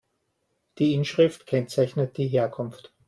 Die Inschrift kennzeichnet die Herkunft.